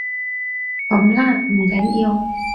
噉啦，唔緊要